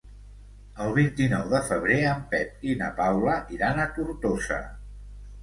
El vint-i-nou de febrer en Pep i na Paula iran a Tortosa.